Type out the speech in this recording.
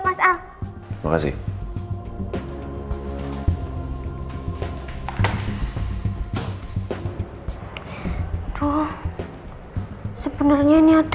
kalau kayakiosis house innah utan kerja negeri nggak dulu